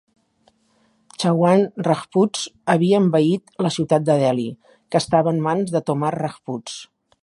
Chauhan Rajputs havia envaït la ciutat de Delhi, que estava en mans de Tomar Rajputs.